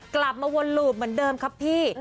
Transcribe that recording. กลับมาวนหลูบเหมือนเดิมครับพี่